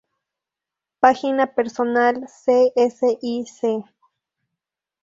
Página personal csic